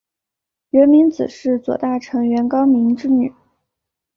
源明子是左大臣源高明之女。